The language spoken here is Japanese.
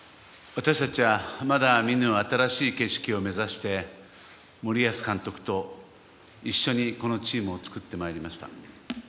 私たちはまだ見ぬ新しい景色を目指して森保監督と一緒に、このチームを作ってまいりました。